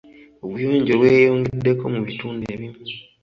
Obuyonjo bweyongeddeko mu bitundu ebimu.